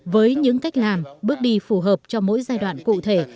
với những cách làm bước đi phù hợp cho mỗi giai đoạn cụ thể